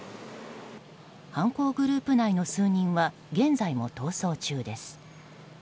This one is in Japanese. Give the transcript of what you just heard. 犯行グループ内の数人は現在も逃走中です。